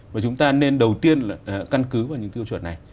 và chúng ta nên đầu tiên là căn cứ vào những tiêu chuẩn này